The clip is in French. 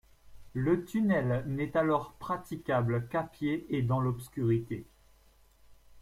Le tunnel n'est alors praticable qu'à pied et dans l'obscurité.